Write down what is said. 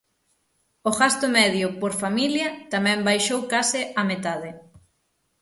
O gasto medio por familia tamén baixou case á metade.